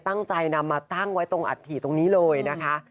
ตั้งใจนำมาตั้งไว้ตรงอัฐิตรงนี้เลยนะคะ